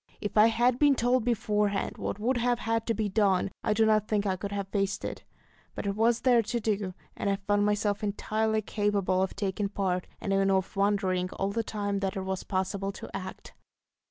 If I had been told beforehand what would have had to be done, I do not think I could have faced it; but it was there to do, and I found myself entirely capable of taking part, and even of wondering all the time that it was possible to act.